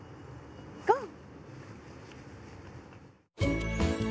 ゴー！